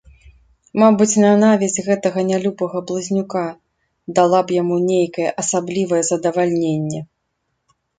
Мабыць, нянавісць гэтага нялюбага блазнюка дала б яму нейкае асаблівае задавальненне.